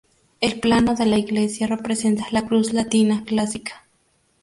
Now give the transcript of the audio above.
El plano de la iglesia representa la cruz latina clásica.